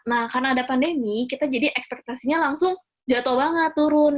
nah karena ada pandemi kita jadi ekspektasinya langsung jatuh banget turun